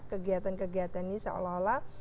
kegiatan kegiatan ini seolah olah